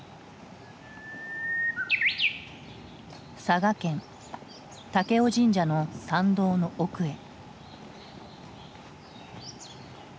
佐賀県武雄神社の参道の奥へ。